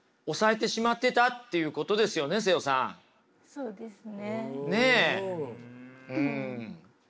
そうですね。